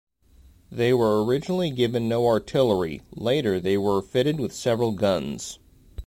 They were originally given no artillery, later they were fitted with several guns.